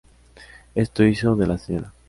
Esto hizo de la Sra.